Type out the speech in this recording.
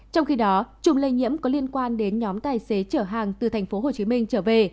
trong khi đó trùng lây nhiễm có liên quan đến nhóm tài xế chở hàng từ tp hcm trở về